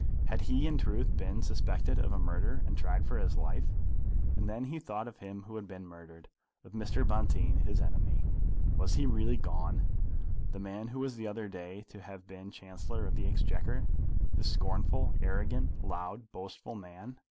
Had he in truth been suspected of a murder and tried for his life? And then he thought of him who had been murdered, of Mr. Bonteen, his enemy. Was he really gone, the man who the other day was to have been Chancellor of the Exchequer, the scornful, arrogant, loud, boastful man?